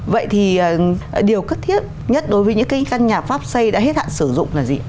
vậy thì điều cất thiết nhất đối với những cái căn nhà pháp xây đã hết hạn sử dụng là gì